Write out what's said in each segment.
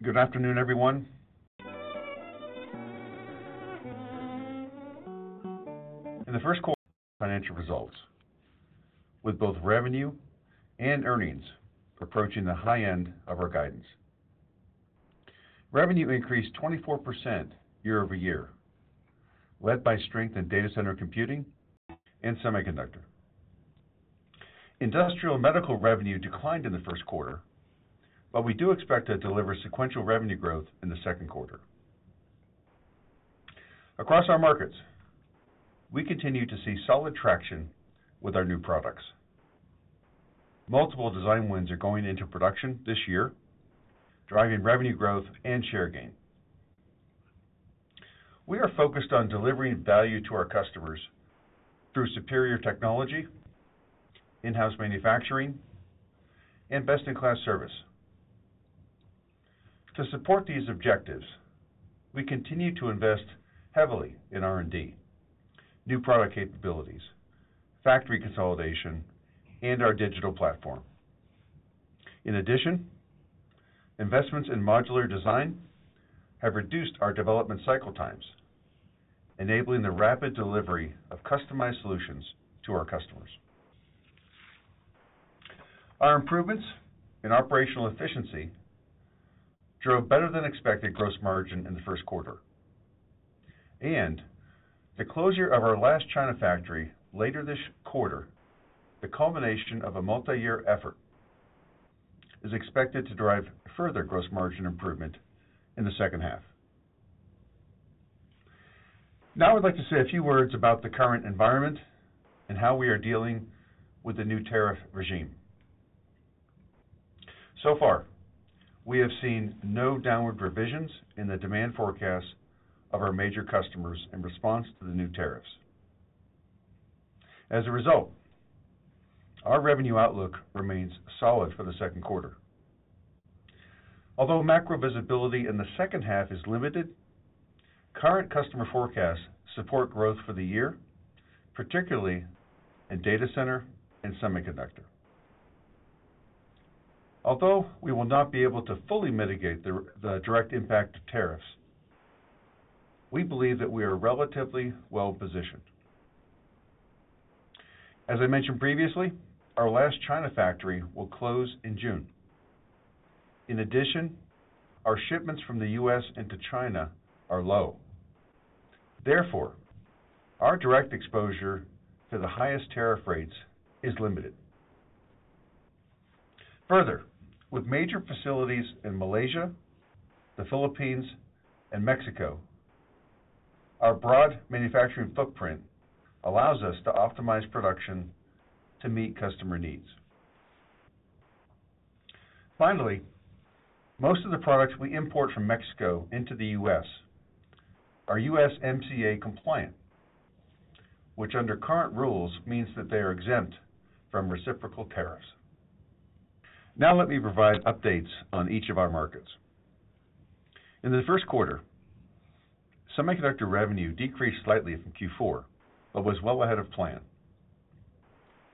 Good afternoon, everyone. In the first quarter, financial results, with both revenue and earnings approaching the high end of our guidance. Revenue increased 24% year-over-year, led by strength in data center computing and semiconductor. Industrial & Medical revenue declined in the first quarter, but we do expect to deliver sequential revenue growth in the second quarter. Across our markets, we continue to see solid traction with our new products. Multiple design wins are going into production this year, driving revenue growth and share gain. We are focused on delivering value to our customers through superior technology, in-house manufacturing, and best-in-class service. To support these objectives, we continue to invest heavily in R&D, new product capabilities, factory consolidation, and our digital platform. In addition, investments in modular design have reduced our development cycle times, enabling the rapid delivery of customized solutions to our customers. Our improvements in operational efficiency drove better-than-expected gross margin in the first quarter. The closure of our last China factory later this quarter, the culmination of a multi-year effort, is expected to drive further gross margin improvement in the second half. Now I'd like to say a few words about the current environment and how we are dealing with the new tariff regime. So far, we have seen no downward revisions in the demand forecasts of our major customers in response to the new tariffs. As a result, our revenue outlook remains solid for the second quarter. Although macro visibility in the second half is limited, current customer forecasts support growth for the year, particularly in data center and semiconductor. Although we will not be able to fully mitigate the direct impact of tariffs, we believe that we are relatively well-positioned. As I mentioned previously, our last China factory will close in June. In addition, our shipments from the U.S. into China are low. Therefore, our direct exposure to the highest tariff rates is limited. Further, with major facilities in Malaysia, the Philippines, and Mexico, our broad manufacturing footprint allows us to optimize production to meet customer needs. Finally, most of the products we import from Mexico into the U.S. are USMCA compliant, which under current rules means that they are exempt from reciprocal tariffs. Now let me provide updates on each of our markets. In the first quarter, semiconductor revenue decreased slightly from Q4, but was well ahead of plan.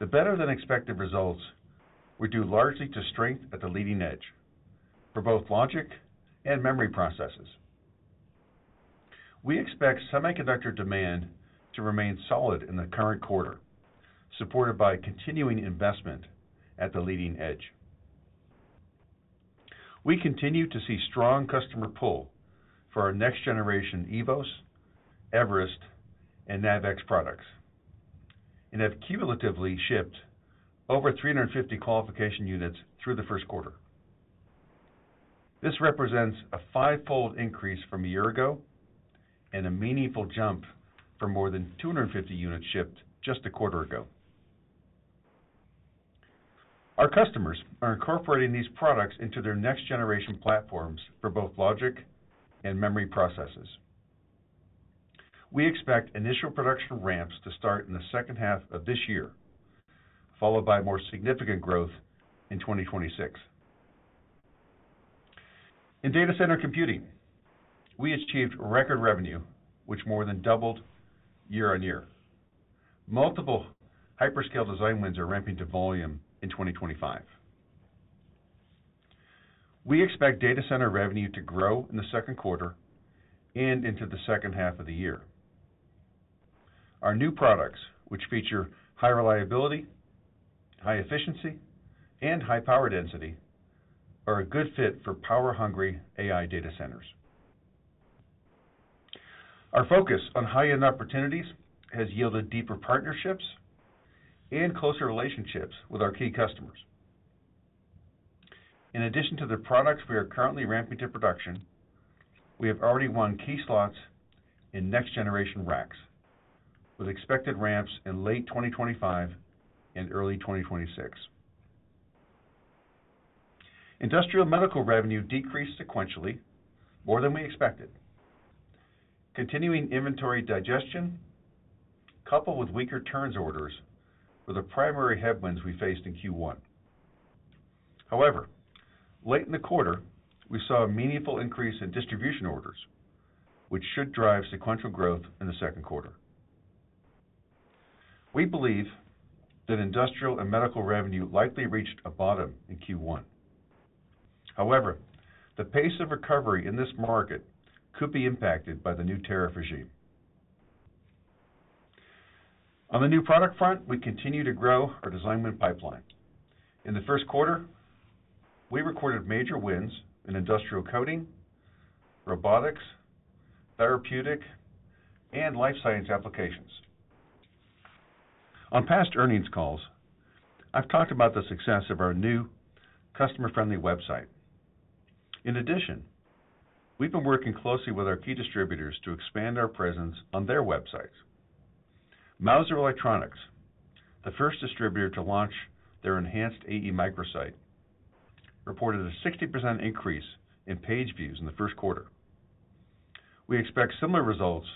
The better-than-expected results were due largely to strength at the leading edge for both logic and memory processes. We expect semiconductor demand to remain solid in the current quarter, supported by continuing investment at the leading edge. We continue to see strong customer pull for our next-generation eVos, eVerest, and NavX products, and have cumulatively shipped over 350 qualification units through the first quarter. This represents a fivefold increase from a year ago and a meaningful jump from more than 250 units shipped just a quarter ago. Our customers are incorporating these products into their next-generation platforms for both logic and memory processes. We expect initial production ramps to start in the second half of this year, followed by more significant growth in 2026. In data center computing, we achieved record revenue, which more than doubled year on year. Multiple hyperscale design wins are ramping to volume in 2025. We expect data center revenue to grow in the second quarter and into the second half of the year. Our new products, which feature high reliability, high efficiency, and high power density, are a good fit for power-hungry AI data centers. Our focus on high-end opportunities has yielded deeper partnerships and closer relationships with our key customers. In addition to the products we are currently ramping to production, we have already won key slots in next-generation racks, with expected ramps in late 2025 and early 2026. Industrial medical revenue decreased sequentially more than we expected, continuing inventory digestion coupled with weaker turns orders were the primary headwinds we faced in Q1. However, late in the quarter, we saw a meaningful increase in distribution orders, which should drive sequential growth in the second quarter. We believe that industrial and medical revenue likely reached a bottom in Q1. However, the pace of recovery in this market could be impacted by the new tariff regime. On the new product front, we continue to grow our design win pipeline. In the first quarter, we recorded major wins in industrial coating, robotics, therapeutic, and life science applications. On past earnings calls, I've talked about the success of our new customer-friendly website. In addition, we've been working closely with our key distributors to expand our presence on their websites. Mouser Electronics, the first distributor to launch their enhanced AE microsite, reported a 60% increase in page views in the first quarter. We expect similar results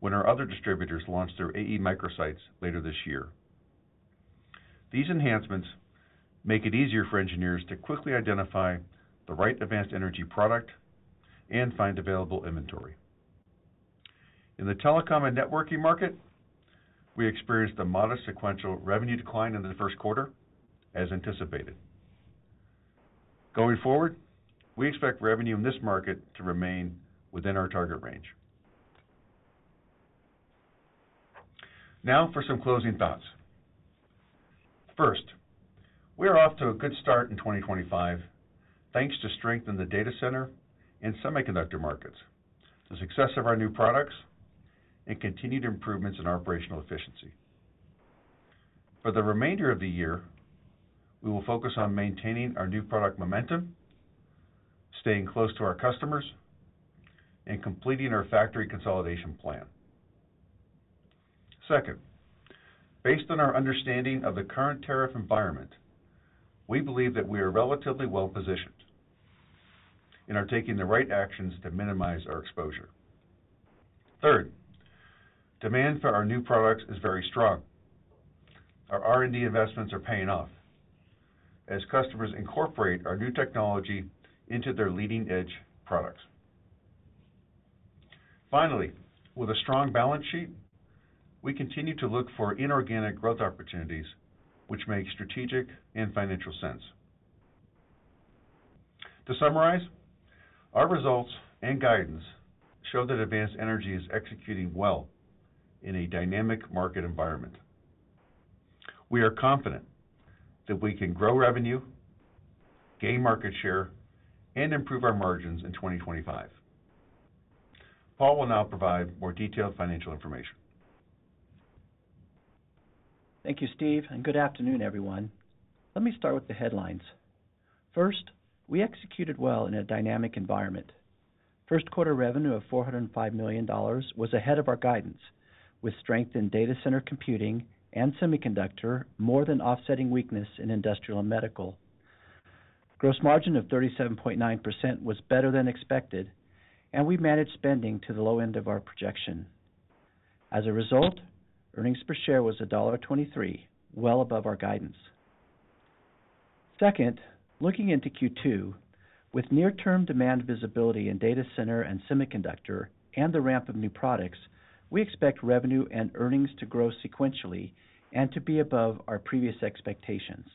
when our other distributors launch their AE microsites later this year. These enhancements make it easier for engineers to quickly identify the right advanced energy product and find available inventory. In the telecom and networking market, we experienced a modest sequential revenue decline in the first quarter, as anticipated. Going forward, we expect revenue in this market to remain within our target range. Now for some closing thoughts. First, we are off to a good start in 2025, thanks to strength in the data center and semiconductor markets, the success of our new products, and continued improvements in operational efficiency. For the remainder of the year, we will focus on maintaining our new product momentum, staying close to our customers, and completing our factory consolidation plan. Second, based on our understanding of the current tariff environment, we believe that we are relatively well-positioned and are taking the right actions to minimize our exposure. Third, demand for our new products is very strong. Our R&D investments are paying off as customers incorporate our new technology into their leading-edge products. Finally, with a strong balance sheet, we continue to look for inorganic growth opportunities, which make strategic and financial sense. To summarize, our results and guidance show that Advanced Energy is executing well in a dynamic market environment. We are confident that we can grow revenue, gain market share, and improve our margins in 2025. Paul will now provide more detailed financial information. Thank you, Steve, and good afternoon, everyone. Let me start with the headlines. First, we executed well in a dynamic environment. First quarter revenue of $405 million was ahead of our guidance, with strength in data center computing and semiconductor more than offsetting weakness in industrial and medical. Gross margin of 37.9% was better than expected, and we managed spending to the low end of our projection. As a result, earnings per share was $1.23, well above our guidance. Second, looking into Q2, with near-term demand visibility in data center and semiconductor and the ramp of new products, we expect revenue and earnings to grow sequentially and to be above our previous expectations.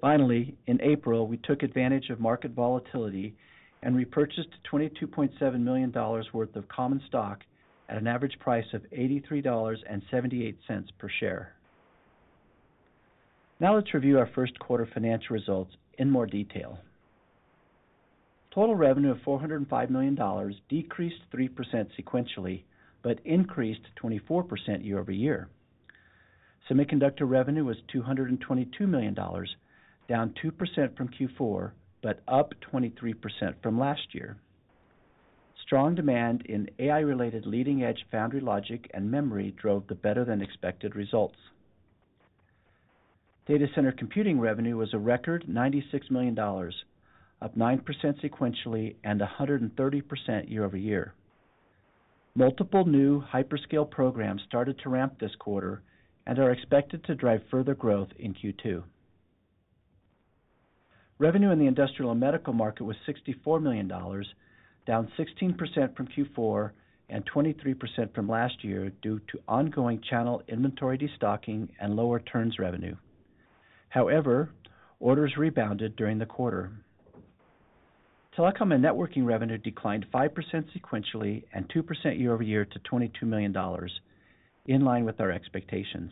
Finally, in April, we took advantage of market volatility and repurchased $22.7 million worth of common stock at an average price of $83.78 per share. Now let's review our first quarter financial results in more detail. Total revenue of $405 million decreased 3% sequentially, but increased 24% year-over-year. Semiconductor revenue was $222 million, down 2% from Q4, but up 23% from last year. Strong demand in AI-related leading-edge foundry logic and memory drove the better-than-expected results. Data center computing revenue was a record $96 million, up 9% sequentially and 130% year-over-year. Multiple new hyperscale programs started to ramp this quarter and are expected to drive further growth in Q2. Revenue in the industrial and medical market was $64 million, down 16% from Q4 and 23% from last year due to ongoing channel inventory destocking and lower turns revenue. However, orders rebounded during the quarter. Telecom and networking revenue declined 5% sequentially and 2% year-over-year to $22 million, in line with our expectations.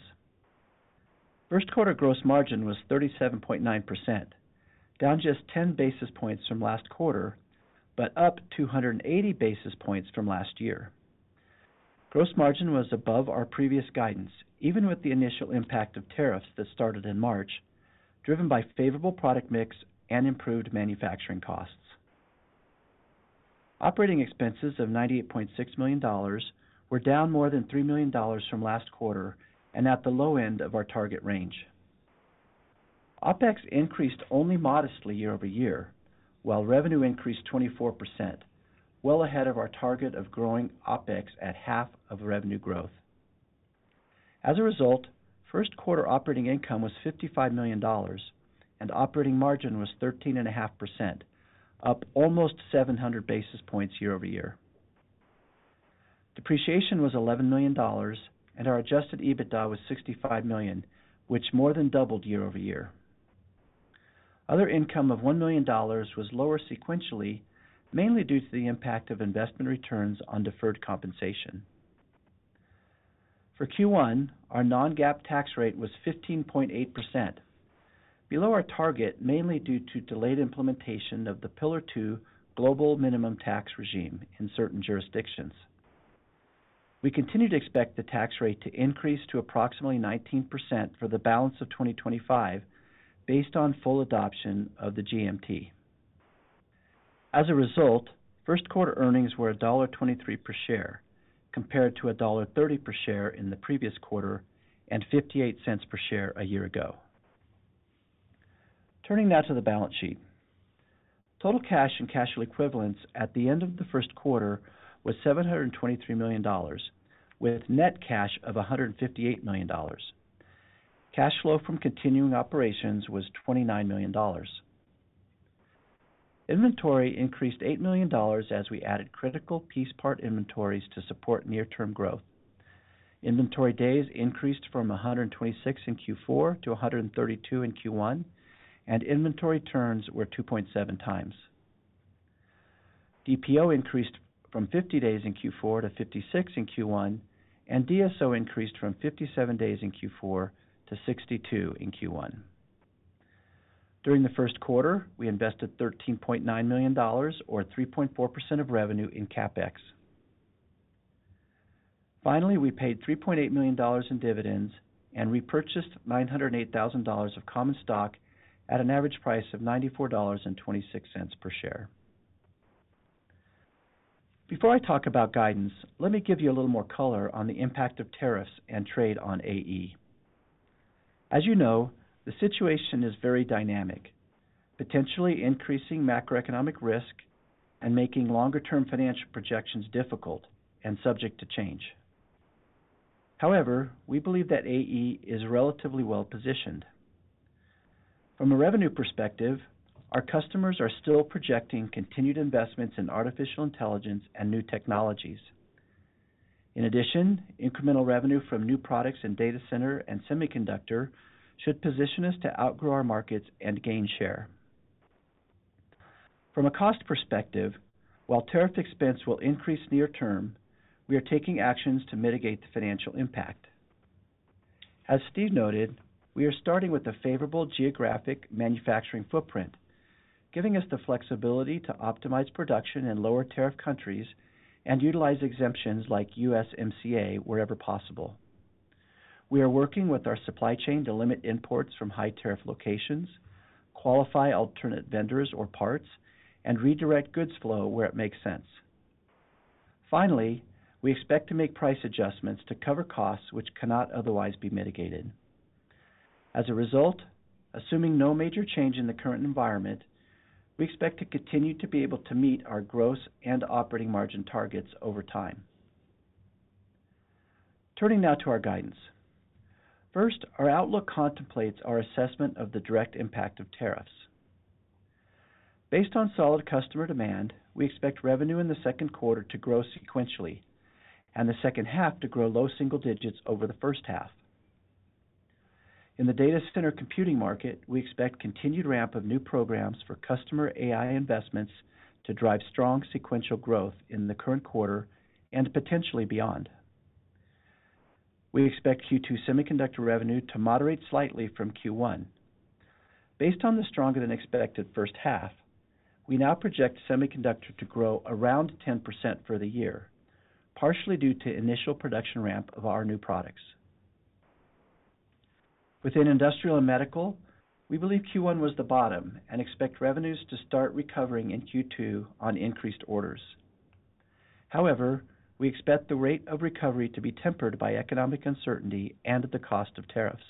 First quarter gross margin was 37.9%, down just 10 basis points from last quarter, but up 280 basis points from last year. Gross margin was above our previous guidance, even with the initial impact of tariffs that started in March, driven by favorable product mix and improved manufacturing costs. Operating expenses of $98.6 million were down more than $3 million from last quarter and at the low end of our target range. OPEX increased only modestly year-over-year, while revenue increased 24%, well ahead of our target of growing OPEX at half of revenue growth. As a result, first quarter operating income was $55 million, and operating margin was 13.5%, up almost 700 basis points year-over-year. Depreciation was $11 million, and our adjusted EBITDA was $65 million, which more than doubled year-over-year. Other income of $1 million was lower sequentially, mainly due to the impact of investment returns on deferred compensation. For Q1, our non-GAAP tax rate was 15.8%, below our target mainly due to delayed implementation of the Pillar II Global Minimum Tax Regime in certain jurisdictions. We continue to expect the tax rate to increase to approximately 19% for the balance of 2025, based on full adoption of the GMT. As a result, first quarter earnings were $1.23 per share, compared to $1.30 per share in the previous quarter and $0.58 per share a year ago. Turning now to the balance sheet, total cash and cash equivalents at the end of the first quarter was $723 million, with net cash of $158 million. Cash flow from continuing operations was $29 million. Inventory increased $8 million as we added critical piece part inventories to support near-term growth. Inventory days increased from 126 in Q4 to 132 in Q1, and inventory turns were 2.7 times. DPO increased from 50 days in Q4 to 56 in Q1, and DSO increased from 57 days in Q4 to 62 in Q1. During the first quarter, we invested $13.9 million, or 3.4% of revenue, in CapEx. Finally, we paid $3.8 million in dividends and repurchased $908,000 of common stock at an average price of $94.26 per share. Before I talk about guidance, let me give you a little more color on the impact of tariffs and trade on AE. As you know, the situation is very dynamic, potentially increasing macroeconomic risk and making longer-term financial projections difficult and subject to change. However, we believe that AE is relatively well-positioned. From a revenue perspective, our customers are still projecting continued investments in artificial intelligence and new technologies. In addition, incremental revenue from new products in data center and semiconductor should position us to outgrow our markets and gain share. From a cost perspective, while tariff expense will increase near-term, we are taking actions to mitigate the financial impact. As Steve noted, we are starting with a favorable geographic manufacturing footprint, giving us the flexibility to optimize production in lower tariff countries and utilize exemptions like USMCA wherever possible. We are working with our supply chain to limit imports from high-tariff locations, qualify alternate vendors or parts, and redirect goods flow where it makes sense. Finally, we expect to make price adjustments to cover costs which cannot otherwise be mitigated. As a result, assuming no major change in the current environment, we expect to continue to be able to meet our gross and operating margin targets over time. Turning now to our guidance. First, our outlook contemplates our assessment of the direct impact of tariffs. Based on solid customer demand, we expect revenue in the second quarter to grow sequentially and the second half to grow low single digits over the first half. In the data center computing market, we expect continued ramp of new programs for customer AI investments to drive strong sequential growth in the current quarter and potentially beyond. We expect Q2 semiconductor revenue to moderate slightly from Q1. Based on the stronger-than-expected first half, we now project semiconductor to grow around 10% for the year, partially due to initial production ramp of our new products. Within industrial and medical, we believe Q1 was the bottom and expect revenues to start recovering in Q2 on increased orders. However, we expect the rate of recovery to be tempered by economic uncertainty and the cost of tariffs.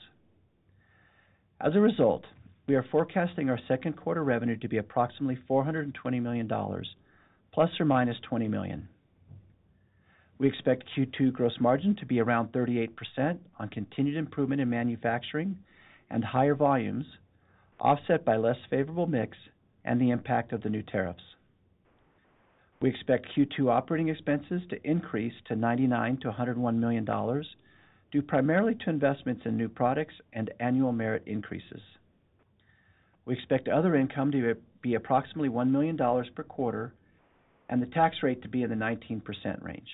As a result, we are forecasting our second quarter revenue to be approximately $420 million, plus or minus $20 million. We expect Q2 gross margin to be around 38% on continued improvement in manufacturing and higher volumes, offset by less favorable mix and the impact of the new tariffs. We expect Q2 operating expenses to increase to $99-$101 million, due primarily to investments in new products and annual merit increases. We expect other income to be approximately $1 million per quarter and the tax rate to be in the 19% range.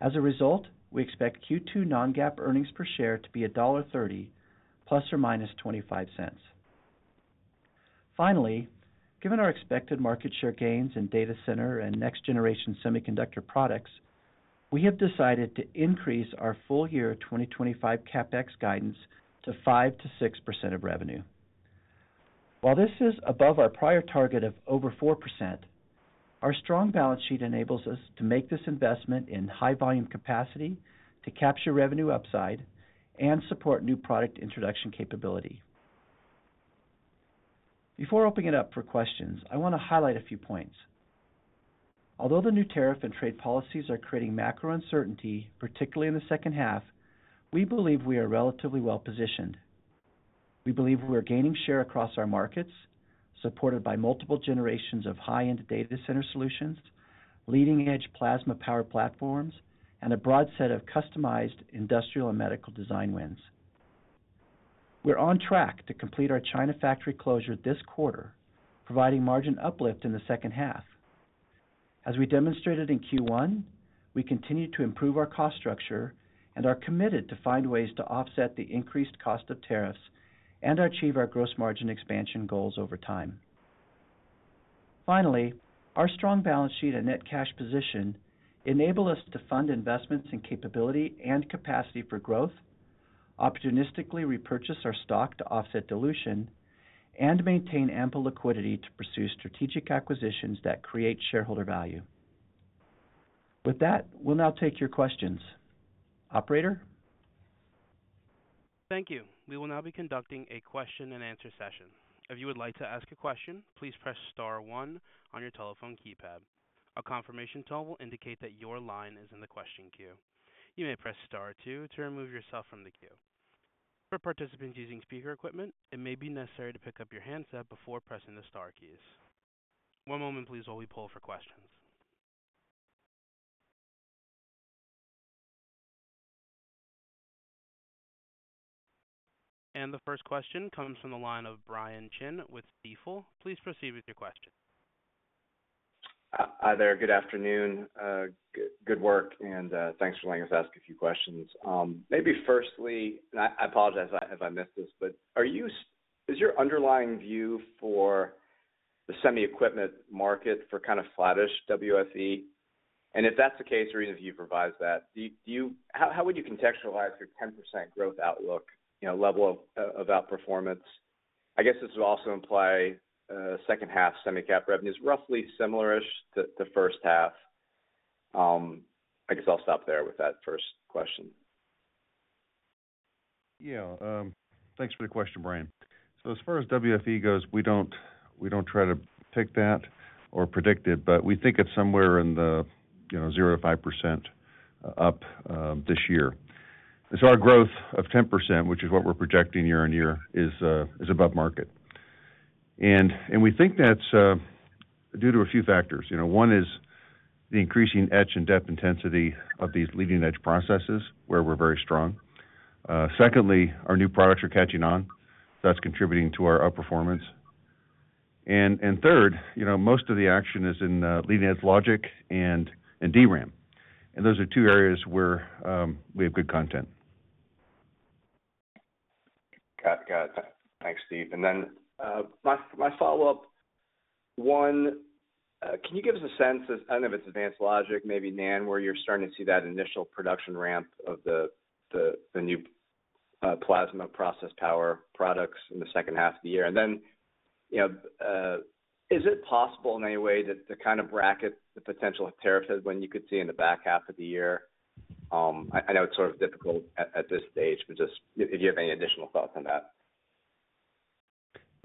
As a result, we expect Q2 non-GAAP earnings per share to be $1.30, plus or minus $0.25. Finally, given our expected market share gains in data center and next-generation semiconductor products, we have decided to increase our full year 2025 CapEx guidance to 5%-6% of revenue. While this is above our prior target of over 4%, our strong balance sheet enables us to make this investment in high-volume capacity to capture revenue upside and support new product introduction capability. Before opening it up for questions, I want to highlight a few points. Although the new tariff and trade policies are creating macro uncertainty, particularly in the second half, we believe we are relatively well-positioned. We believe we are gaining share across our markets, supported by multiple generations of high-end data center solutions, leading-edge plasma power platforms, and a broad set of customized industrial and medical design wins. We're on track to complete our China factory closure this quarter, providing margin uplift in the second half. As we demonstrated in Q1, we continue to improve our cost structure and are committed to find ways to offset the increased cost of tariffs and achieve our gross margin expansion goals over time. Finally, our strong balance sheet and net cash position enable us to fund investments in capability and capacity for growth, opportunistically repurchase our stock to offset dilution, and maintain ample liquidity to pursue strategic acquisitions that create shareholder value. With that, we'll now take your questions. Operator. Thank you. We will now be conducting a question-and-answer session. If you would like to ask a question, please press Star 1 on your telephone keypad. A confirmation tone will indicate that your line is in the question queue. You may press Star 2 to remove yourself from the queue. For participants using speaker equipment, it may be necessary to pick up your handset before pressing the Star keys. One moment, please, while we pull for questions. The first question comes from the line of Brian Chin with Deutsche Bank. Please proceed with your question. Hi there. Good afternoon. Good work, and thanks for letting us ask a few questions. Maybe firstly, and I apologize if I missed this, but is your underlying view for the semi-equipment market kind of flattish WFE? If that's the case, the reason you've revised that, how would you contextualize your 10% growth outlook, level of outperformance? I guess this would also imply second-half semi-cap revenues roughly similar-ish to first half. I guess I'll stop there with that first question. Yeah. Thanks for the question, Brian. As far as WFE goes, we do not try to pick that or predict it, but we think it is somewhere in the 0-5% up this year. Our growth of 10%, which is what we are projecting year on year, is above market. We think that is due to a few factors. One is the increasing etch and depth intensity of these leading-edge processes, where we are very strong. Secondly, our new products are catching on. That is contributing to our outperformance. Third, most of the action is in leading-edge logic and DRAM. Those are two areas where we have good content. Got it. Got it. Thanks, Steve. My follow-up, one, can you give us a sense of, I do not know if it is advanced logic, maybe NAND, where you are starting to see that initial production ramp of the new plasma process power products in the second half of the year? Is it possible in any way to kind of bracket the potential tariffs you could see in the back half of the year? I know it is sort of difficult at this stage, but just if you have any additional thoughts on that.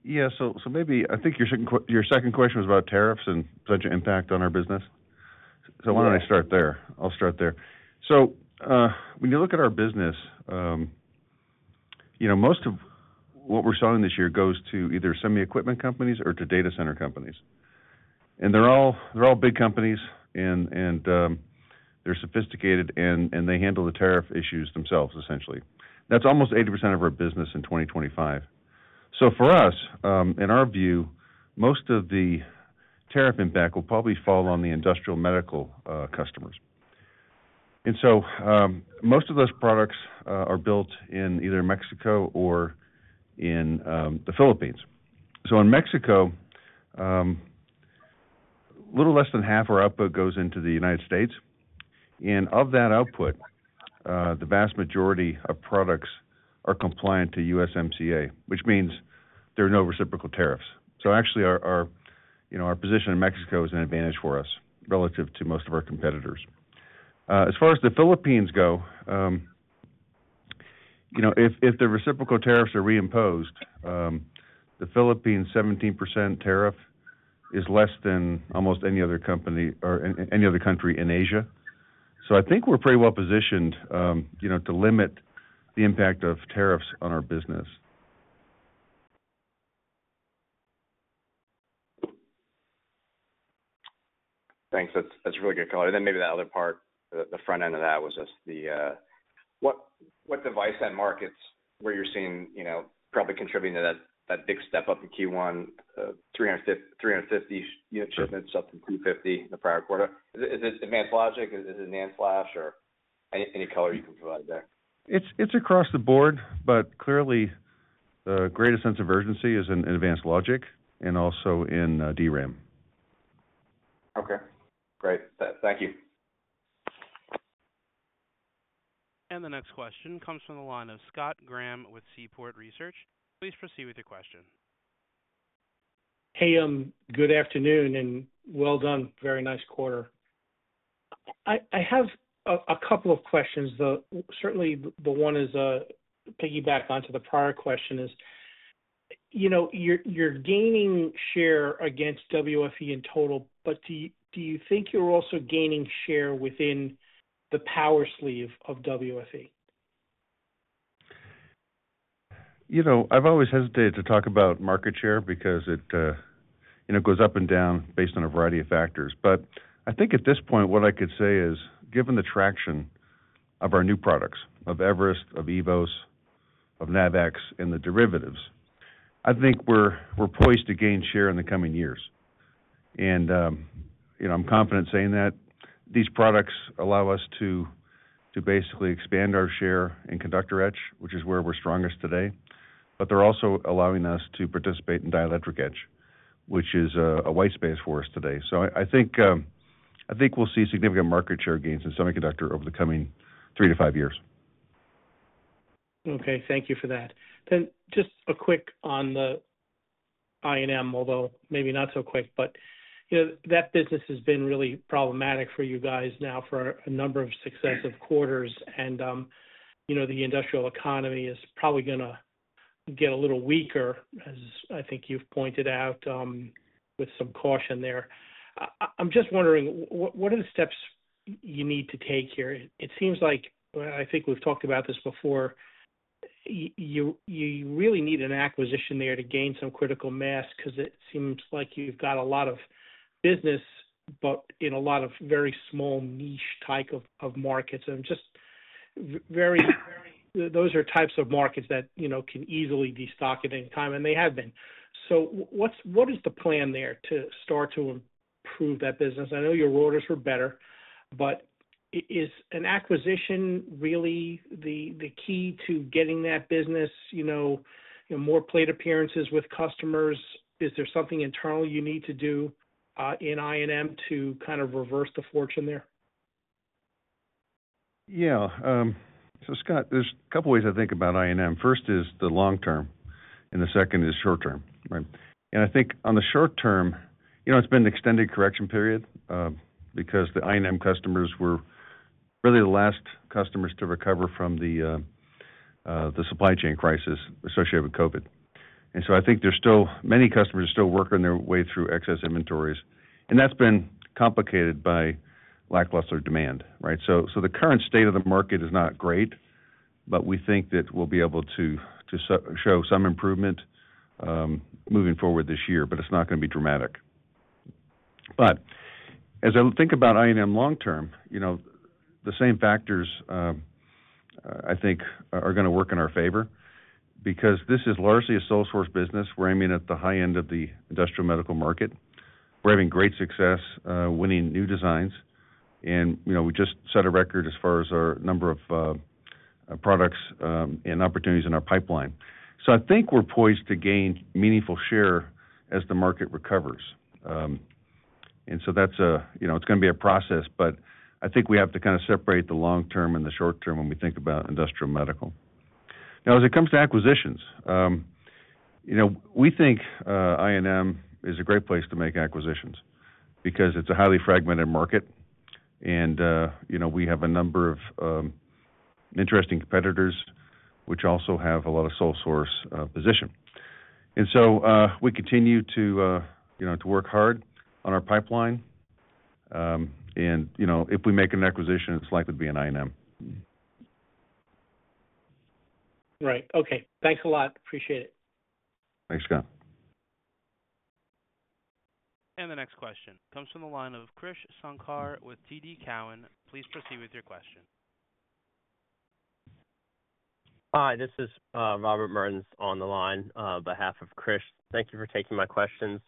Yeah. Maybe I think your second question was about tariffs and potential impact on our business. Why don't I start there? I'll start there. When you look at our business, most of what we're selling this year goes to either semi-equipment companies or to data center companies. They're all big companies, and they're sophisticated, and they handle the tariff issues themselves, essentially. That's almost 80% of our business in 2025. For us, in our view, most of the tariff impact will probably fall on the industrial medical customers. Most of those products are built in either Mexico or in the Philippines. In Mexico, a little less than half our output goes into the United States. Of that output, the vast majority of products are compliant to USMCA, which means there are no reciprocal tariffs. Actually, our position in Mexico is an advantage for us relative to most of our competitors. As far as the Philippines go, if the reciprocal tariffs are reimposed, the Philippines' 17% tariff is less than almost any other company or any other country in Asia. I think we're pretty well-positioned to limit the impact of tariffs on our business. Thanks. That's a really good call. Maybe the other part, the front end of that was just the, what device and markets were you seeing probably contributing to that big step up in Q1, 350 unit shipments, up to 250 in the prior quarter? Is it advanced logic? Is it NAND flash, or any color you can provide there? It's across the board, but clearly, the greatest sense of urgency is in advanced logic and also in DRAM. Okay. Great. Thank you. The next question comes from the line of Scott Graham with Seaport Research. Please proceed with your question. Hey, good afternoon, and well done. Very nice quarter. I have a couple of questions. Certainly, the one is piggyback onto the prior question is you're gaining share against WFE in total, but do you think you're also gaining share within the power sleeve of WFE? I've always hesitated to talk about market share because it goes up and down based on a variety of factors. I think at this point, what I could say is, given the traction of our new products, of eVerest, of eVos, of NavX, and the derivatives, I think we're poised to gain share in the coming years. I'm confident saying that. These products allow us to basically expand our share in conductor etch, which is where we're strongest today. They're also allowing us to participate in dielectric etch, which is a white space for us today. I think we'll see significant market share gains in semiconductor over the coming three to five years. Okay. Thank you for that. Just a quick on the I&M, although maybe not so quick, but that business has been really problematic for you guys now for a number of successive quarters. The industrial economy is probably going to get a little weaker, as I think you've pointed out, with some caution there. I'm just wondering, what are the steps you need to take here? It seems like, I think we've talked about this before, you really need an acquisition there to gain some critical mass because it seems like you've got a lot of business, but in a lot of very small niche type of markets. Those are types of markets that can easily be stocked at any time, and they have been. What is the plan there to start to improve that business? I know your orders were better, but is an acquisition really the key to getting that business more played appearances with customers? Is there something internal you need to do in I&M to kind of reverse the fortune there? Yeah. Scott, there's a couple of ways I think about I&M. First is the long term, and the second is short term. I think on the short term, it's been an extended correction period because the I&M customers were really the last customers to recover from the supply chain crisis associated with COVID. I think many customers are still working their way through excess inventories. That's been complicated by lackluster demand, right? The current state of the market is not great, but we think that we'll be able to show some improvement moving forward this year, but it's not going to be dramatic. As I think about I&M long term, the same factors I think are going to work in our favor because this is largely a sole-source business. We're aiming at the high end of the industrial medical market. We're having great success winning new designs. We just set a record as far as our number of products and opportunities in our pipeline. I think we're poised to gain meaningful share as the market recovers. It's going to be a process, but I think we have to kind of separate the long term and the short term when we think about industrial medical. As it comes to acquisitions, we think I&M is a great place to make acquisitions because it's a highly fragmented market. We have a number of interesting competitors, which also have a lot of sole-source position. We continue to work hard on our pipeline. If we make an acquisition, it's likely to be in I&M. Right. Okay. Thanks a lot. Appreciate it. Thanks, Scott. The next question comes from the line of Krish Sankar with TD Cowen. Please proceed with your question. Hi. This is Robert Mertens on the line on behalf of Krish. Thank you for taking my questions.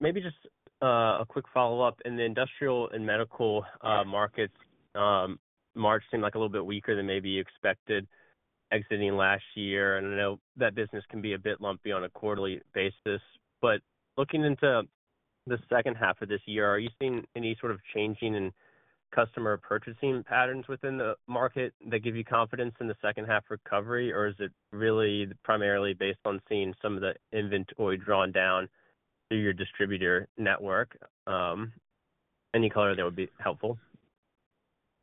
Maybe just a quick follow-up. In the industrial and medical markets, March seemed like a little bit weaker than maybe you expected, exiting last year. I know that business can be a bit lumpy on a quarterly basis. Looking into the second half of this year, are you seeing any sort of changing in customer purchasing patterns within the market that give you confidence in the second-half recovery, or is it really primarily based on seeing some of the inventory drawn down through your distributor network? Any color that would be helpful?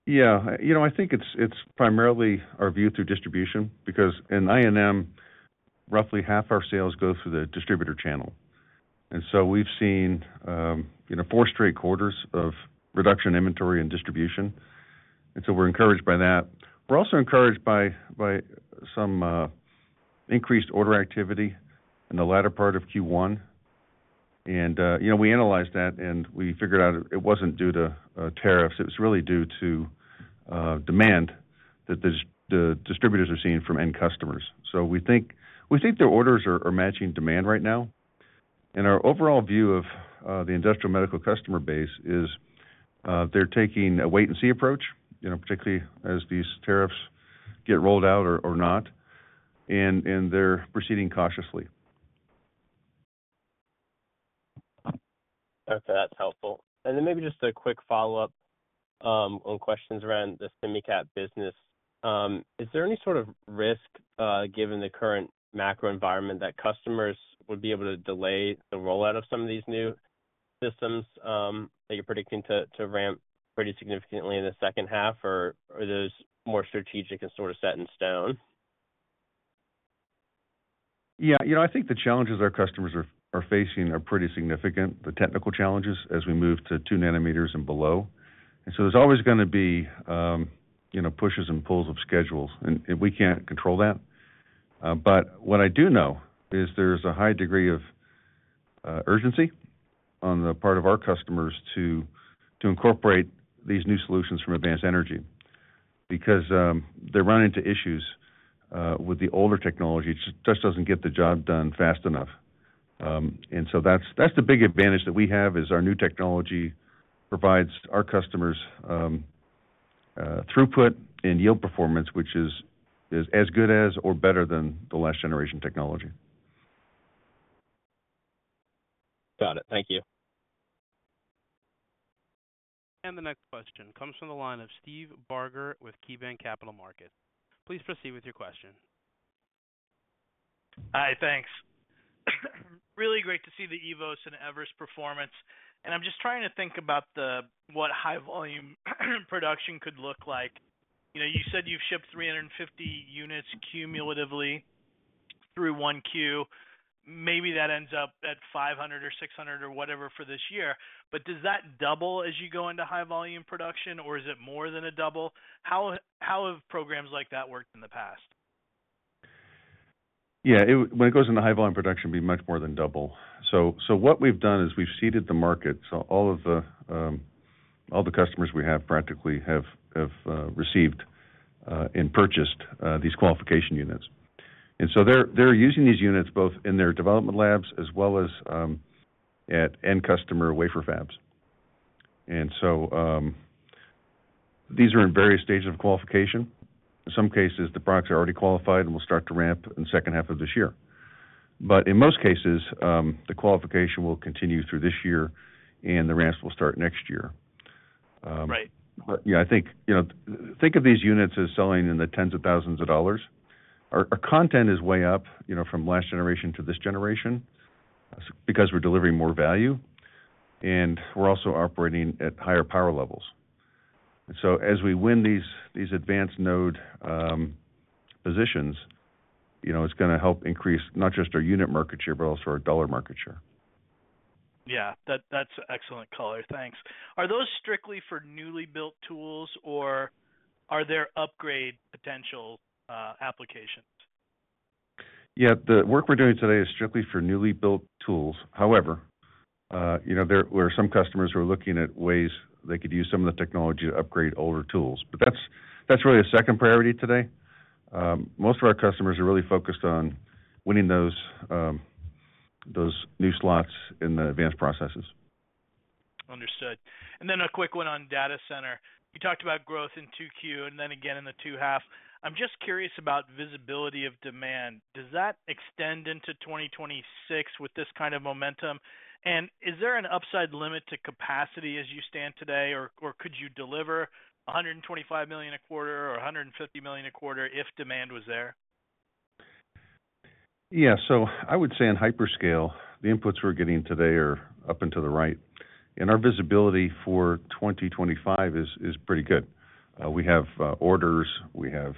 Yeah. I think it's primarily our view through distribution because in I&M, roughly half our sales go through the distributor channel. We have seen four straight quarters of reduction in inventory in distribution. We are encouraged by that. We are also encouraged by some increased order activity in the latter part of Q1. We analyzed that, and we figured out it was not due to tariffs. It was really due to demand that the distributors are seeing from end customers. We think their orders are matching demand right now. Our overall view of the industrial medical customer base is they are taking a wait-and-see approach, particularly as these tariffs get rolled out or not, and they are proceeding cautiously. Okay. That's helpful. Maybe just a quick follow-up on questions around the semi-cap business. Is there any sort of risk, given the current macro environment, that customers would be able to delay the rollout of some of these new systems that you're predicting to ramp pretty significantly in the second half, or are those more strategic and sort of set in stone? Yeah. I think the challenges our customers are facing are pretty significant, the technical challenges as we move to 2 nanometers and below. There is always going to be pushes and pulls of schedules, and we cannot control that. What I do know is there is a high degree of urgency on the part of our customers to incorporate these new solutions from Advanced Energy because they are running into issues with the older technology. It just does not get the job done fast enough. That is the big advantage that we have, our new technology provides our customers throughput and yield performance, which is as good as or better than the last-generation technology. Got it. Thank you. The next question comes from the line of Steve Barger with KeyBanc Capital Markets. Please proceed with your question. Hi. Thanks. Really great to see the eVos and eVerest performance. I'm just trying to think about what high-volume production could look like. You said you've shipped 350 units cumulatively through one Q. Maybe that ends up at 500 or 600 or whatever for this year. Does that double as you go into high-volume production, or is it more than a double? How have programs like that worked in the past? Yeah. When it goes into high-volume production, it'd be much more than double. What we've done is we've seeded the market. All of the customers we have practically have received and purchased these qualification units. They're using these units both in their development labs as well as at end customer wafer fabs. These are in various stages of qualification. In some cases, the products are already qualified and will start to ramp in the second half of this year. In most cases, the qualification will continue through this year, and the ramps will start next year. I think think of these units as selling in the tens of thousands of dollars. Our content is way up from last generation to this generation because we're delivering more value, and we're also operating at higher power levels. As we win these advanced node positions, it's going to help increase not just our unit market share, but also our dollar market share. Yeah. That's excellent color. Thanks. Are those strictly for newly built tools, or are there upgrade potential applications? Yeah. The work we're doing today is strictly for newly built tools. However, there are some customers who are looking at ways they could use some of the technology to upgrade older tools. That is really a second priority today. Most of our customers are really focused on winning those new slots in the advanced processes. Understood. And then a quick one on data center. You talked about growth in 2Q and then again in the two half. I'm just curious about visibility of demand. Does that extend into 2026 with this kind of momentum? And is there an upside limit to capacity as you stand today, or could you deliver $125 million a quarter or $150 million a quarter if demand was there? Yeah. I would say in hyperscale, the inputs we're getting today are up and to the right. Our visibility for 2025 is pretty good. We have orders. We have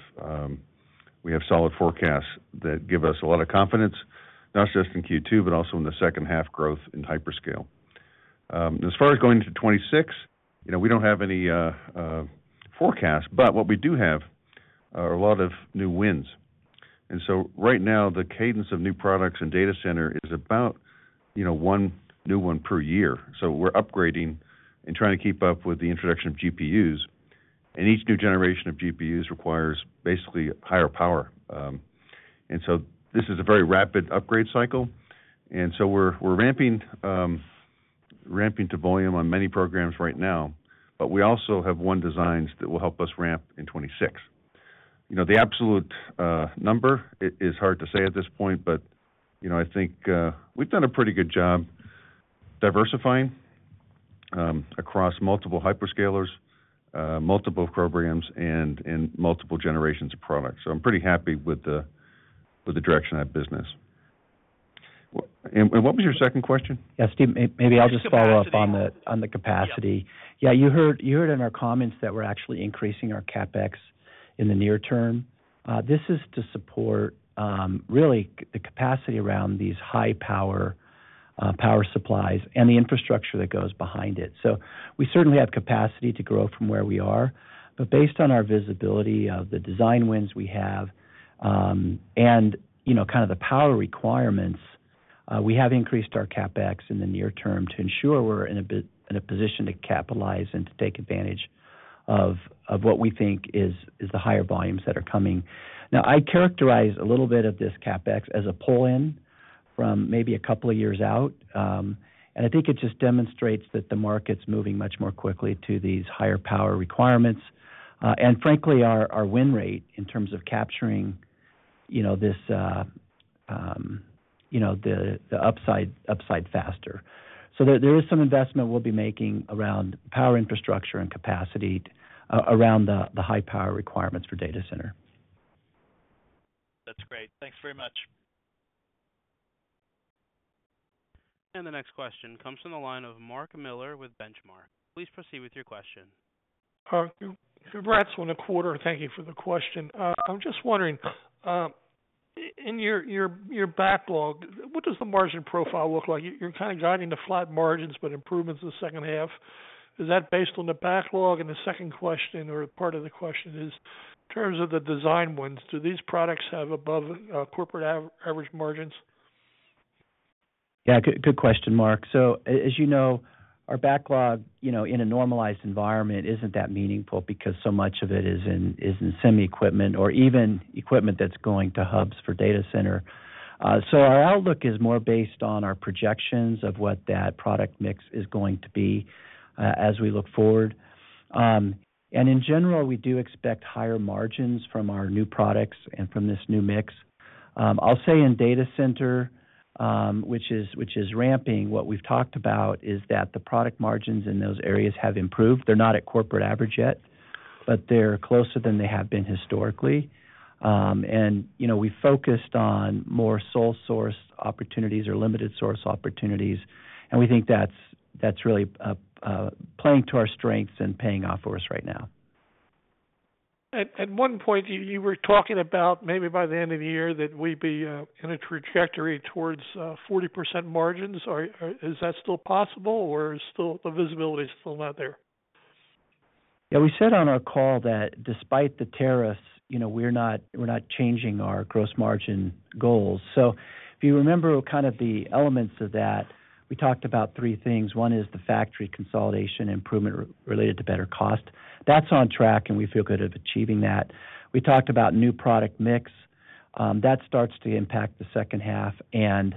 solid forecasts that give us a lot of confidence, not just in Q2, but also in the second half growth in hyperscale. As far as going into 2026, we do not have any forecasts, but what we do have are a lot of new wins. Right now, the cadence of new products and data center is about one new one per year. We are upgrading and trying to keep up with the introduction of GPUs. Each new generation of GPUs requires basically higher power. This is a very rapid upgrade cycle. We are ramping to volume on many programs right now, but we also have won designs that will help us ramp in 2026. The absolute number is hard to say at this point, but I think we've done a pretty good job diversifying across multiple hyperscalers, multiple programs, and multiple generations of products. I am pretty happy with the direction of that business. What was your second question? Yeah, Steve, maybe I'll just follow up on the capacity. Yeah, you heard in our comments that we're actually increasing our CapEx in the near term. This is to support really the capacity around these high-power power supplies and the infrastructure that goes behind it. We certainly have capacity to grow from where we are. Based on our visibility of the design wins we have and kind of the power requirements, we have increased our CapEx in the near term to ensure we're in a position to capitalize and to take advantage of what we think is the higher volumes that are coming. I characterize a little bit of this CapEx as a pull-in from maybe a couple of years out. I think it just demonstrates that the market's moving much more quickly to these higher power requirements and, frankly, our win rate in terms of capturing the upside faster. There is some investment we'll be making around power infrastructure and capacity around the high-power requirements for data center. That's great. Thanks very much. The next question comes from the line of Mark Miller with Benchmark. Please proceed with your question. Hi there. Congrats on in the quarter. Thank you for the question. I'm just wondering, in your backlog, what does the margin profile look like? You're kind of guiding to flat margins, but improvements in the second half. Is that based on the backlog? The second question, or part of the question, is in terms of the design wins, do these products have above corporate average margins? Yeah. Good question, Mark. As you know, our backlog in a normalized environment is not that meaningful because so much of it is in semi-equipment or even equipment that is going to hubs for data center. Our outlook is more based on our projections of what that product mix is going to be as we look forward. In general, we do expect higher margins from our new products and from this new mix. I will say in data center, which is ramping, what we have talked about is that the product margins in those areas have improved. They are not at corporate average yet, but they are closer than they have been historically. We focused on more sole-source opportunities or limited-source opportunities. We think that is really playing to our strengths and paying off for us right now. At one point, you were talking about maybe by the end of the year that we'd be in a trajectory towards 40% margins. Is that still possible, or is the visibility still not there? Yeah. We said on our call that despite the tariffs, we're not changing our gross margin goals. If you remember kind of the elements of that, we talked about three things. One is the factory consolidation improvement related to better cost. That's on track, and we feel good at achieving that. We talked about new product mix. That starts to impact the second half, and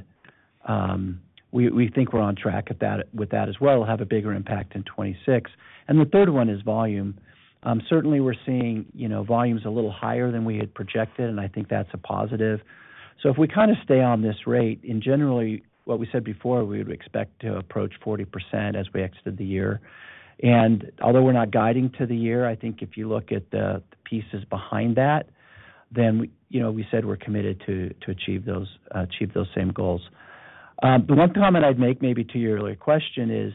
we think we're on track with that as well. We'll have a bigger impact in 2026. The third one is volume. Certainly, we're seeing volumes a little higher than we had projected, and I think that's a positive. If we kind of stay on this rate, and generally, what we said before, we would expect to approach 40% as we exited the year. Although we're not guiding to the year, I think if you look at the pieces behind that, then we said we're committed to achieve those same goals. The one comment I'd make maybe to your earlier question is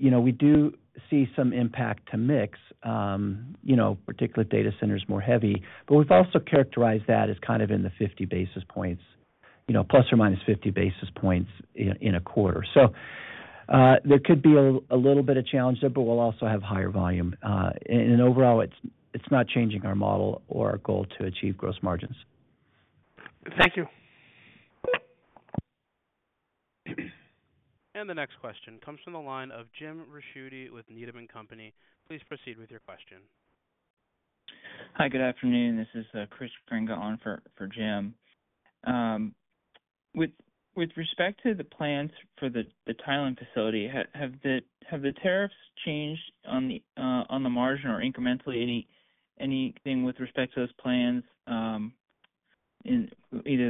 we do see some impact to mix, particularly data centers more heavy, but we've also characterized that as kind of in the 50 basis points, plus or minus 50 basis points in a quarter. There could be a little bit of challenge there, but we'll also have higher volume. Overall, it's not changing our model or our goal to achieve gross margins. Thank you. The next question comes from the line of Jim Ricchiuti with Needham & Company. Please proceed with your question. Hi. Good afternoon. This is Chris Grenga on for Jim. With respect to the plans for the Thailand facility, have the tariffs changed on the margin or incrementally anything with respect to those plans, either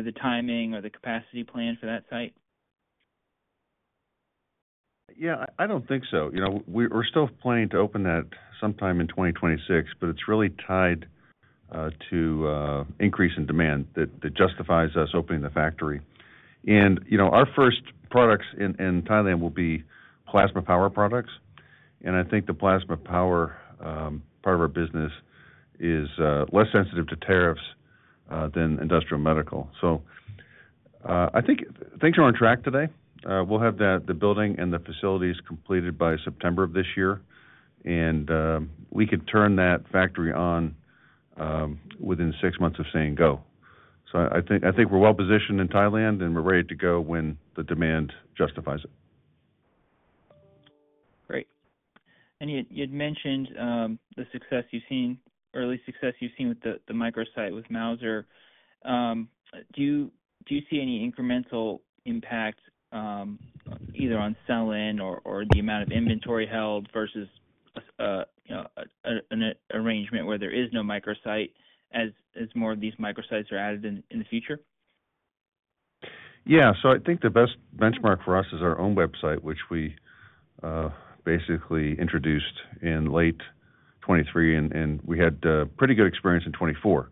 the timing or the capacity plan for that site? Yeah. I don't think so. We're still planning to open that sometime in 2026, but it's really tied to increase in demand that justifies us opening the factory. Our first products in Thailand will be plasma power products. I think the plasma power part of our business is less sensitive to tariffs than industrial medical. I think things are on track today. We'll have the building and the facilities completed by September of this year, and we could turn that factory on within six months of saying go. I think we're well positioned in Thailand, and we're ready to go when the demand justifies it. Great. You'd mentioned the early success you've seen with the microsite with Mouser. Do you see any incremental impact either on sell-in or the amount of inventory held versus an arrangement where there is no microsite as more of these microsites are added in the future? Yeah. I think the best benchmark for us is our own website, which we basically introduced in late 2023, and we had pretty good experience in 2024.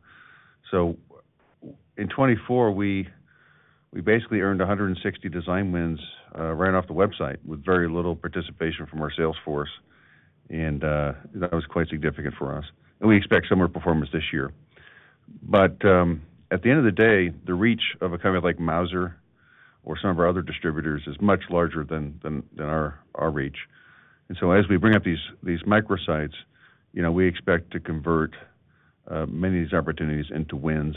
In 2024, we basically earned 160 design wins right off the website with very little participation from our sales force. That was quite significant for us. We expect similar performance this year. At the end of the day, the reach of a company like Mouser or some of our other distributors is much larger than our reach. As we bring up these microsites, we expect to convert many of these opportunities into wins.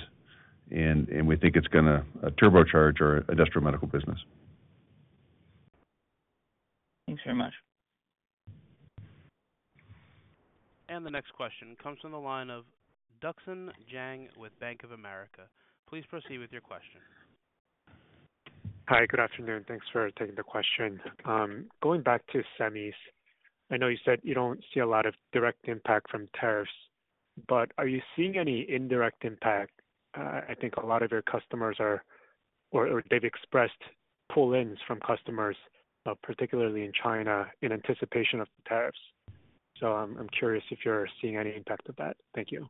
We think it is going to turbocharge our industrial medical business. Thanks very much. The next question comes from the line of Duk San Jang with Bank of America. Please proceed with your question. Hi. Good afternoon. Thanks for taking the question. Going back to semis, I know you said you don't see a lot of direct impact from tariffs, but are you seeing any indirect impact? I think a lot of your customers are or they've expressed pull-ins from customers, particularly in China, in anticipation of the tariffs. I am curious if you're seeing any impact of that. Thank you.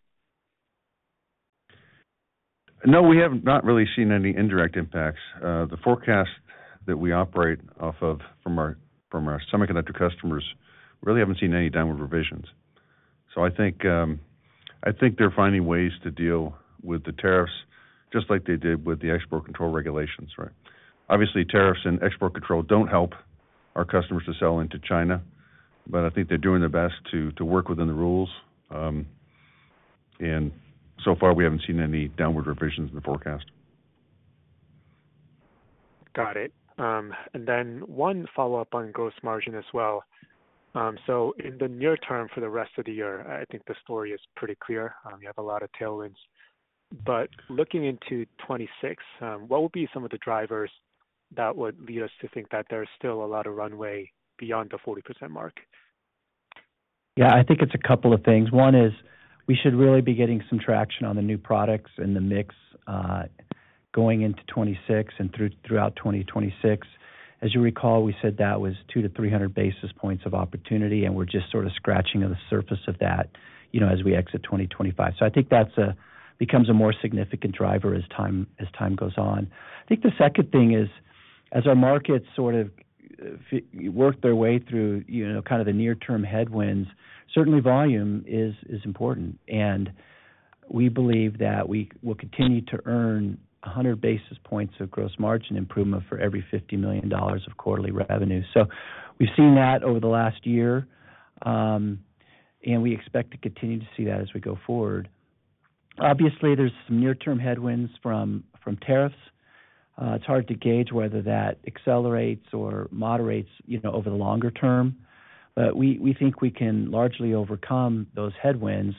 No, we have not really seen any indirect impacts. The forecast that we operate off of from our semiconductor customers really haven't seen any downward revisions. I think they're finding ways to deal with the tariffs just like they did with the export control regulations, right? Obviously, tariffs and export control don't help our customers to sell into China, but I think they're doing their best to work within the rules. So far, we haven't seen any downward revisions in the forecast. Got it. One follow-up on gross margin as well. In the near term for the rest of the year, I think the story is pretty clear. You have a lot of tailwinds. Looking into 2026, what would be some of the drivers that would lead us to think that there is still a lot of runway beyond the 40% mark? Yeah. I think it's a couple of things. One is we should really be getting some traction on the new products and the mix going into 2026 and throughout 2026. As you recall, we said that was 200-300 basis points of opportunity, and we're just sort of scratching the surface of that as we exit 2025. I think that becomes a more significant driver as time goes on. I think the second thing is, as our markets sort of work their way through kind of the near-term headwinds, certainly volume is important. We believe that we will continue to earn 100 basis points of gross margin improvement for every $50 million of quarterly revenue. We've seen that over the last year, and we expect to continue to see that as we go forward. Obviously, there's some near-term headwinds from tariffs. It's hard to gauge whether that accelerates or moderates over the longer term, but we think we can largely overcome those headwinds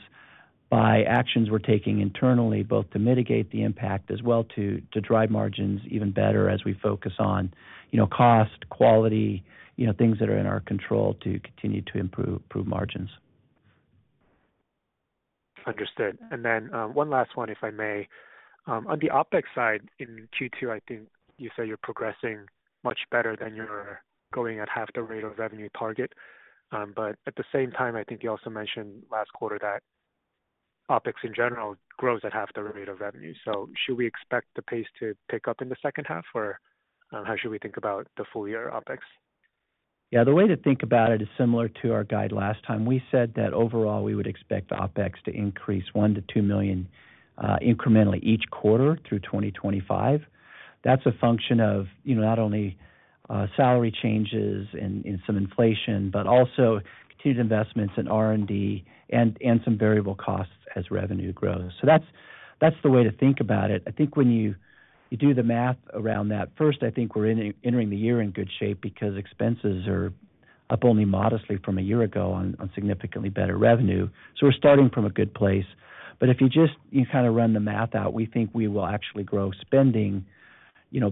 by actions we're taking internally, both to mitigate the impact as well as to drive margins even better as we focus on cost, quality, things that are in our control to continue to improve margins. Understood. And then one last one, if I may. On the OPEX side, in Q2, I think you said you're progressing much better than you were going at half the rate of revenue target. At the same time, I think you also mentioned last quarter that OPEX in general grows at half the rate of revenue. Should we expect the pace to pick up in the second half, or how should we think about the full-year OPEX? Yeah. The way to think about it is similar to our guide last time. We said that overall, we would expect OPEX to increase $1 million-$2 million incrementally each quarter through 2025. That's a function of not only salary changes and some inflation, but also continued investments in R&D and some variable costs as revenue grows. That's the way to think about it. I think when you do the math around that, first, I think we're entering the year in good shape because expenses are up only modestly from a year ago on significantly better revenue. We're starting from a good place. If you just kind of run the math out, we think we will actually grow spending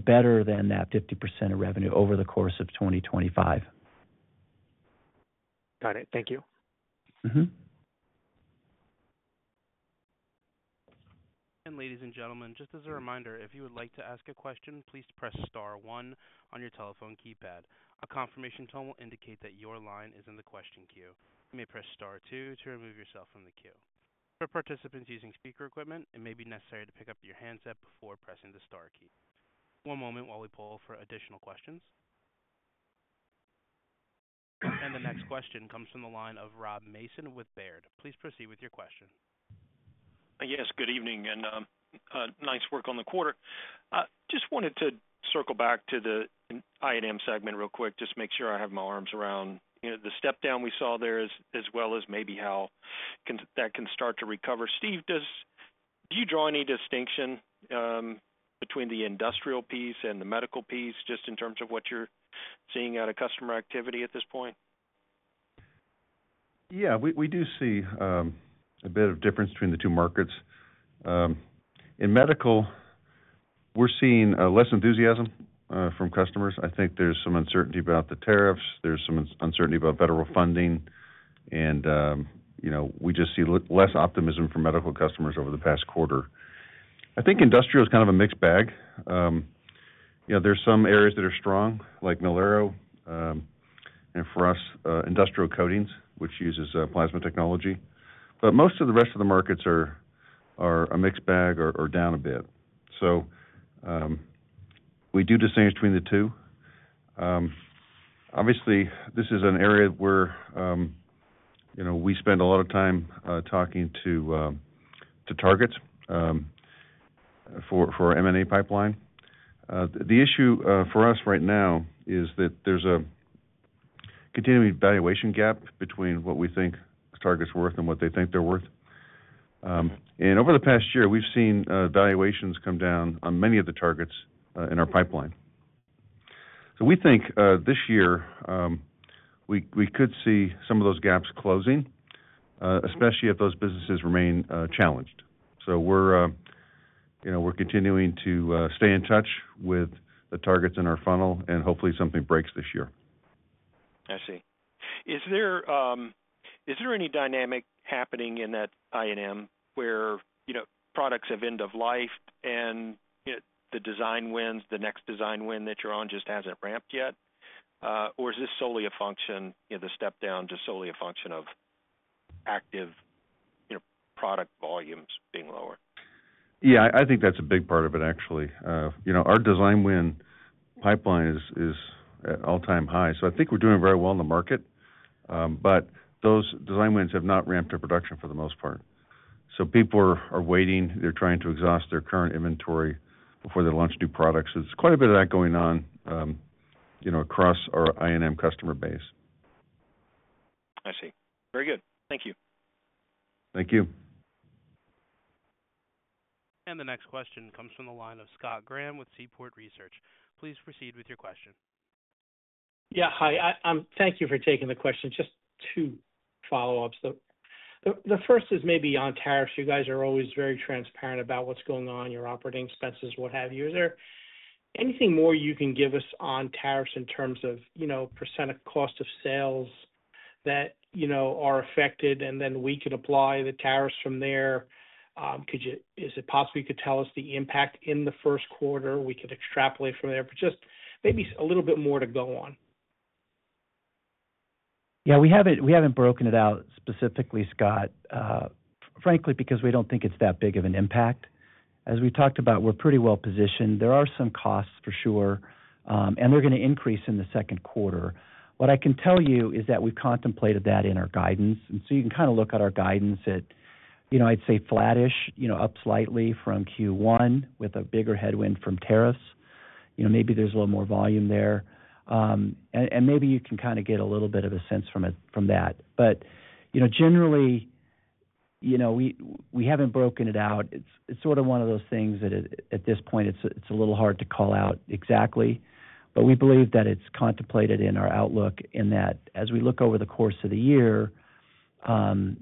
better than that 50% of revenue over the course of 2025. Got it. Thank you. Mm-hmm. Ladies and gentlemen, just as a reminder, if you would like to ask a question, please press star 1 on your telephone keypad. A confirmation tone will indicate that your line is in the question queue. You may press star 2 to remove yourself from the queue. For participants using speaker equipment, it may be necessary to pick up your handset before pressing the star key. One moment while we pull for additional questions. The next question comes from the line of Rob Mason with Baird. Please proceed with your question. Yes. Good evening and nice work on the quarter. Just wanted to circle back to the I&M segment real quick, just to make sure I have my arms around the step-down we saw there as well as maybe how that can start to recover. Steve, do you draw any distinction between the industrial piece and the medical piece just in terms of what you're seeing out of customer activity at this point? Yeah. We do see a bit of difference between the two markets. In medical, we're seeing less enthusiasm from customers. I think there's some uncertainty about the tariffs. There's some uncertainty about federal funding. We just see less optimism from medical customers over the past quarter. I think industrial is kind of a mixed bag. There are some areas that are strong, like Mil/Aero, and for us, industrial coatings, which uses plasma technology. Most of the rest of the markets are a mixed bag or down a bit. We do distinguish between the two. Obviously, this is an area where we spend a lot of time talking to Target for our M&A pipeline. The issue for us right now is that there's a continuing valuation gap between what we think Target's worth and what they think they're worth. Over the past year, we've seen valuations come down on many of the targets in our pipeline. We think this year we could see some of those gaps closing, especially if those businesses remain challenged. We're continuing to stay in touch with the targets in our funnel, and hopefully, something breaks this year. I see. Is there any dynamic happening in that I&M where products have end-of-life and the design wins, the next design win that you're on just hasn't ramped yet? Is this solely a function of the step-down, just solely a function of active product volumes being lower? Yeah. I think that's a big part of it, actually. Our design win pipeline is at all-time high. I think we're doing very well in the market, but those design wins have not ramped our production for the most part. People are waiting. They're trying to exhaust their current inventory before they launch new products. There's quite a bit of that going on across our I&M customer base. I see. Very good. Thank you. Thank you. The next question comes from the line of Scott Graham with Seaport Research. Please proceed with your question. Yeah. Hi. Thank you for taking the question. Just two follow-ups. The first is maybe on tariffs. You guys are always very transparent about what's going on, your operating expenses, what have you. Is there anything more you can give us on tariffs in terms of % of cost of sales that are affected, and then we can apply the tariffs from there? Is it possible you could tell us the impact in the first quarter? We could extrapolate from there, but just maybe a little bit more to go on. Yeah. We have not broken it out specifically, Scott, frankly, because we do not think it is that big of an impact. As we talked about, we are pretty well positioned. There are some costs for sure, and they are going to increase in the second quarter. What I can tell you is that we have contemplated that in our guidance. You can kind of look at our guidance at, I would say, flattish, up slightly from Q1 with a bigger headwind from tariffs. Maybe there is a little more volume there. Maybe you can kind of get a little bit of a sense from that. Generally, we have not broken it out. It is sort of one of those things that at this point, it is a little hard to call out exactly. We believe that it's contemplated in our outlook in that as we look over the course of the year, assuming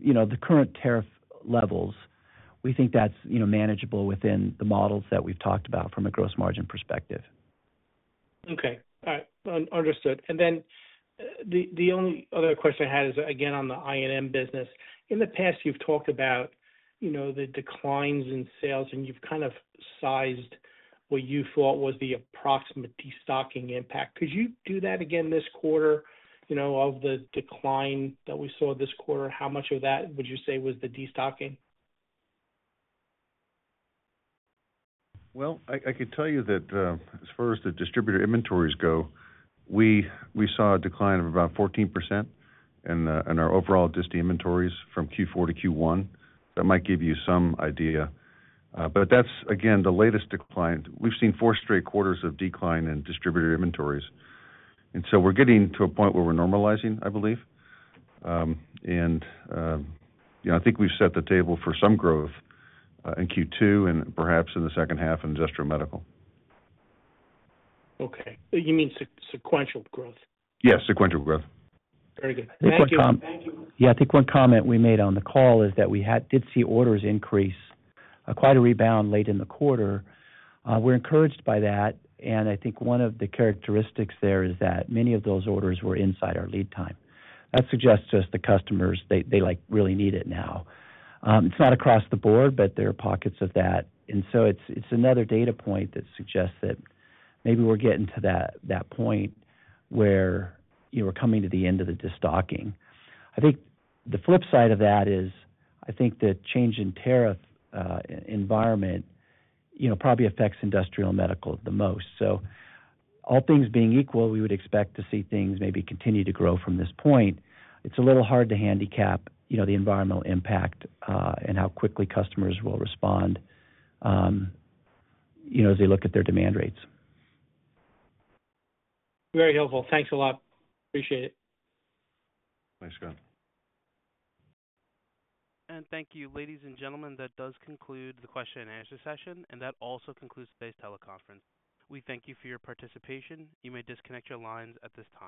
the current tariff levels, we think that's manageable within the models that we've talked about from a gross margin perspective. Okay. All right. Understood. The only other question I had is, again, on the I&M business. In the past, you've talked about the declines in sales, and you've kind of sized what you thought was the approximate destocking impact. Could you do that again this quarter of the decline that we saw this quarter? How much of that would you say was the destocking? I could tell you that as far as the distributor inventories go, we saw a decline of about 14% in our overall distributor inventories from Q4 to Q1. That might give you some idea. That is, again, the latest decline. We have seen four straight quarters of decline in distributor inventories. We are getting to a point where we are normalizing, I believe. I think we have set the table for some growth in Q2 and perhaps in the second half in industrial medical. Okay. You mean sequential growth? Yeah. Sequential growth. Very good. Thank you. Yeah. I think one comment we made on the call is that we did see orders increase, quite a rebound late in the quarter. We're encouraged by that. I think one of the characteristics there is that many of those orders were inside our lead time. That suggests to us the customers, they really need it now. It's not across the board, but there are pockets of that. It's another data point that suggests that maybe we're getting to that point where we're coming to the end of the destocking. I think the flip side of that is I think the change in tariff environment probably affects industrial medical the most. All things being equal, we would expect to see things maybe continue to grow from this point. It's a little hard to handicap the environmental impact and how quickly customers will respond as they look at their demand rates. Very helpful. Thanks a lot. Appreciate it. Thanks, Scott. Thank you. Ladies and gentlemen, that does conclude the question-and-answer session, and that also concludes today's teleconference. We thank you for your participation. You may disconnect your lines at this time.